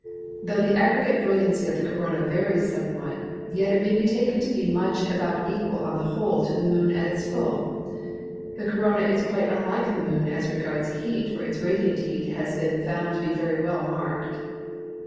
Though the aggregate brilliancy of the Corona varies somewhat yet it may be taken to be much about equal on the whole to the Moon at its full. The Corona is quite unlike the Moon as regards heat for its radiant heat has been found to be very well marked.